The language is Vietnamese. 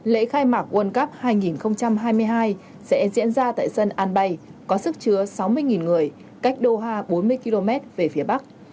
lễ khai mạc world cup hai nghìn hai mươi hai sẽ diễn ra tại sân an bay có sức chứa sáu mươi người cách doha bốn mươi km về phía bắc